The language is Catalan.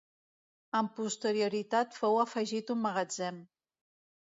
Amb posterioritat fou afegit un magatzem.